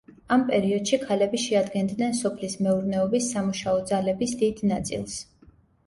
ამ პერიოდში ქალები შეადგენდნენ სოფლის მეურნეობის სამუშაო ძალების დიდ ნაწილს.